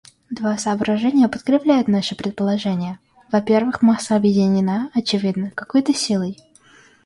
Два соображения подкрепляют наше предположение: во-первых, масса объединена, очевидно, какой-то силой.